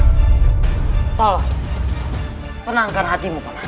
hai penangkan hati jangan teriak